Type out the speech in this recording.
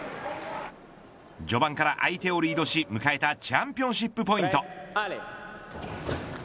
序盤から相手をリードし、迎えたチャンピオンシップポイント。